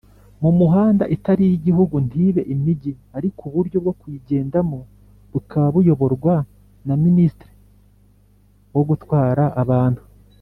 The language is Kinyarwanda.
mumuhanda itariyigihugu ntibe imigi ariko uburyo bwokuyigendamo bukaba buyoborwa na ministre wo gutwara abantu